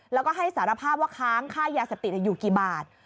แล้วก็ให้สารภาพว่าค้างค่ายาเสพติดอยู่กี่บาท